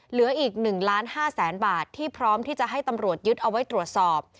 เหลืออีก๑ล้าน๕แสนบาทที่พร้อมที่จะให้ตำรวจยึดเอาไว้ตรวจสอบ